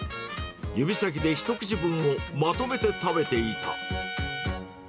指先で一口分をまとめて食べていた。